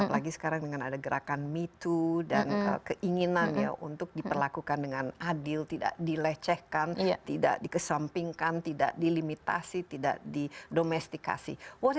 apalagi sekarang dengan ada gerakan me too dan keinginan ya untuk diperlakukan dengan adil tidak dilecehkan tidak dikesampingkan tidak dilimitasi tidak didomestikasi